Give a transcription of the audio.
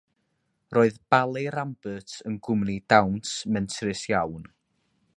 Roedd Ballet Rambert yn gwmni dawns mentrus iawn.